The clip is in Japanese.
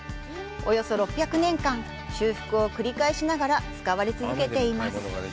およそ６００年間修復を繰り返しながら使われ続けています。